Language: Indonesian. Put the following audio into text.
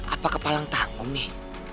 apa kepala yang takut nih